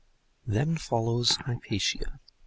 Then follows Hypatia.